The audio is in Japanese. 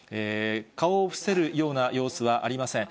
顔を伏せるような様子はありません。